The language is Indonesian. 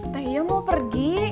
tehya mau pergi